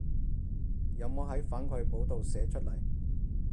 有冇喺反饋簿度寫出來